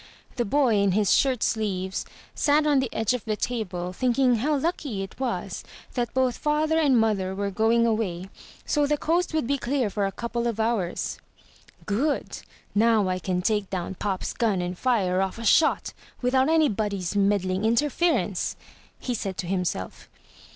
The boy, in his shirt sleeves, sat on the edge of the table thinking how lucky it was that both father and mother were going away so the coast would be clear for a couple of hours. "Good! Now I can take down pop's gun and fire off a shot, without anybody's meddling interference," he said to himself.